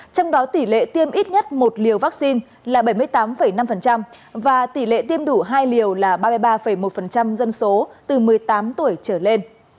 trong đó tỷ lệ tiêm ít nhất một liều vaccine là bảy mươi tám năm và tỷ lệ tiêm đủ hai liều là ba mươi ba một dân số từ một mươi tám tuổi trở lên